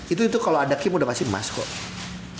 itu itu kalau ada kim udah masih emas kok